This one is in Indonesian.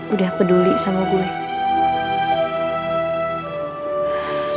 udah peduli sama gue